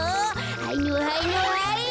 はいのはいのはい。